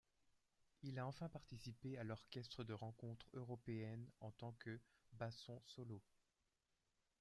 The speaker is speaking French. Il a enfin participé à l'Orchestre de rencontres européennes, en tant que basson solo.